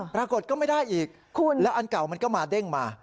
ปรากฏก็ไม่ได้อีกแล้วอันเก่ามันก็มาเด้งมา